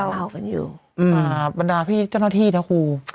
ลาวบรรดาเจ้าหน้าที่แล้วครู